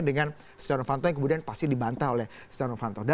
dengan setia novanto yang kemudian pasti dibantah oleh setia novanto